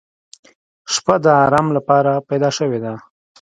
• شپه د آرام لپاره پیدا شوې ده.